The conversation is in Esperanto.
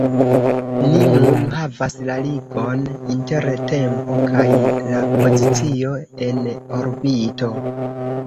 Ni nun havas la ligon inter tempo kaj la pozicio en orbito.